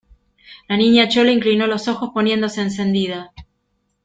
la Niña Chole inclinó los ojos poniéndose encendida: